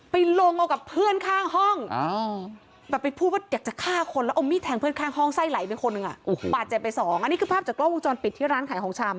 ไปลงเอากับเพื่อนข้างห้องแบบไปพูดว่าอยากจะฆ่าคนแล้วเอามีดแทงเพื่อนข้างห้องไส้ไหลไปคนหนึ่งบาดเจ็บไปสองอันนี้คือภาพจากกล้องวงจรปิดที่ร้านขายของชำ